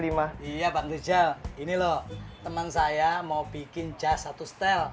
iya bang dijal ini loh teman saya mau bikin cas satu style